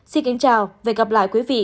xin kính chào và hẹn gặp lại